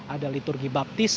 ada liturgi baptis